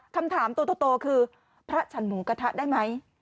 คำถามโตคือพระฉันหมูกระทะได้ไหม